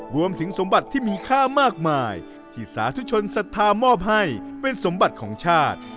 รวมถึงสมบัติที่มีค่ามากมายที่สาธุชนศรัทธามอบให้เป็นสมบัติของชาติ